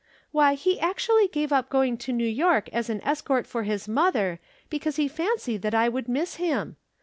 Why, he actually gave up going to New York as an escort for his mother because he fancied that I would miss him.